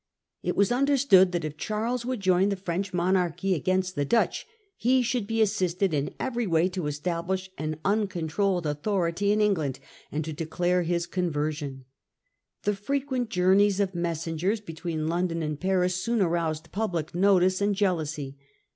It was understood that if Charles would join the French monarch against the Dutch he should be assisted in every way to establish an uncontrolled authority in England, and to declare his con version. The frequent journeys of messengers between London and Paris soon aroused public notice and jealousy.